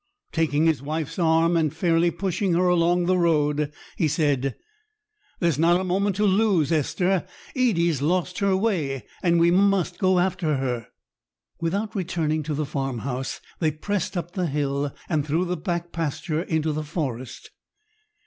Taking his wife's arm and fairly pushing her along the road, he said,— "There's not a moment to lose, Esther. Edie's lost her way, and we must go after her." Without returning to the farmhouse, they pressed up the hill and through the back pasture into the forest.